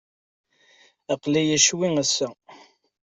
Aql-iyi ccwi, ass-a.